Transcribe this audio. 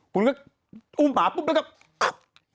คุณก็อุ้มหมาปุ๊บแล้วก็